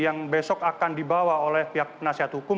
yang besok akan dibawa oleh pihak penasihat hukum